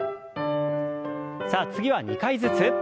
さあ次は２回ずつ。